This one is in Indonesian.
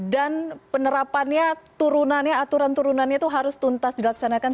dan penerapannya turunannya aturan turunannya itu harus tuntas dilaksanakan